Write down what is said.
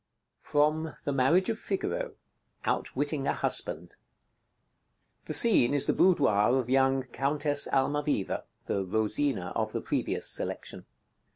] FROM 'THE MARRIAGE OF FIGARO' OUTWITTING A HUSBAND [The scene is the boudoir of young Countess Almaviva, the Rosina of the previous selection.